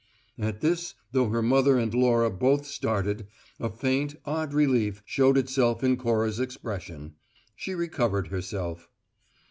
At this, though her mother and Laura both started, a faint, odd relief showed itself in Cora's expression. She recovered herself.